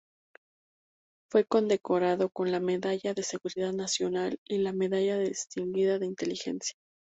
Fue condecorado con la Medalla de Seguridad Nacional, y la Medalla Distinguida de Inteligencia.